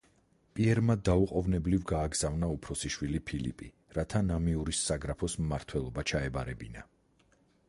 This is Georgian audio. პიერმა დაუყოვნებლივ გააგზავნა უფროსი შვილი ფილიპი რათა ნამიურის საგრაფოს მმართველობა ჩაებარებინა.